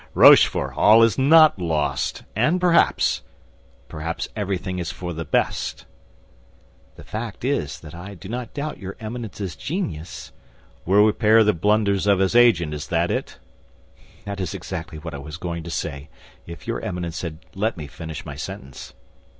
Rochefort, all is not lost; and perhaps—perhaps everything is for the best." "The fact is that I do not doubt your Eminence's genius—" "Will repair the blunders of his agent—is that it?" "That is exactly what I was going to say, if your Eminence had let me finish my sentence."